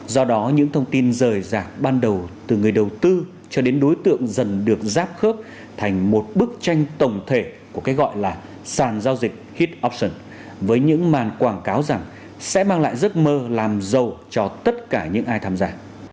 do đó những thông tin rời rạc ban đầu từ người đầu tư cho đến đối tượng dần được giáp khớp thành một bức tranh tổng thể của cái gọi là sàn giao dịch hit opton với những màn quảng cáo rằng sẽ mang lại giấc mơ làm giàu cho tất cả những ai tham gia